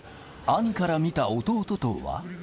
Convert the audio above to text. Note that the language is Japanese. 兄から見た弟とは。